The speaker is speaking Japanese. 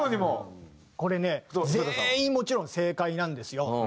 これね全員もちろん正解なんですよ。